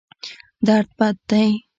درد بد دی.